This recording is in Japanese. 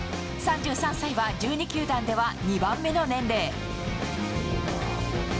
３３歳は、１２球団では２番目の年齢。